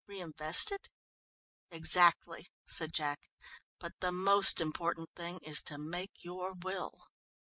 Reinvest it?" "Exactly," said Jack, "but the most important thing is to make your will."